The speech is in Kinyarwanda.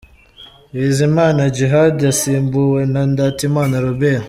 ' Bizimana Djihad asimbuwe na Ndatimana Robert.